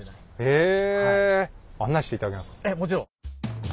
ええもちろん。